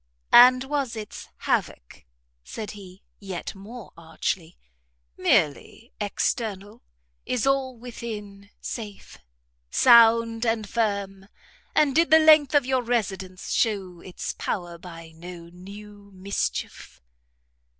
"And was its havoc," said he, yet more archly, "merely external? is all within safe? sound and firm? and did the length of your residence shew its power by no new mischief?"